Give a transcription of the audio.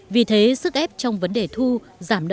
vì thế sức ép trong vấn đề thu giảm nợ